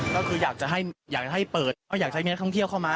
ก็คืออยากจะให้เปิดก็อยากใช้นักท่องเที่ยวเข้ามา